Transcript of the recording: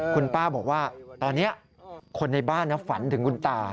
คุณป้าบอกว่าตอนนี้คนในบ้านฝันถึงคุณตา